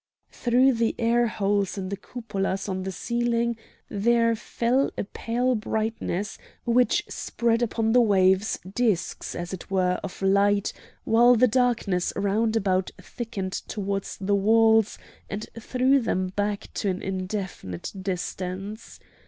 Through the air holes in the cupolas on the ceiling there fell a pale brightness which spread upon the waves discs, as it were, of light, while the darkness round about thickened towards the walls and threw them back to an indefinite distance.